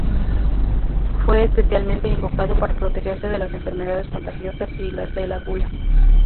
Fue especialmente invocado para protegerse de las enfermedades contagiosas y de la gula.